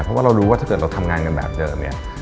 เพราะว่าเรารู้ว่าถ้าเกิดเราทำงานกันแบบเดิมเนี่ย